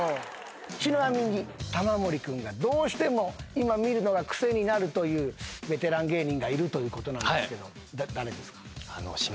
ちなみに玉森君がどうしても今見るのがクセになるというベテラン芸人がいるということなんですけど誰ですか？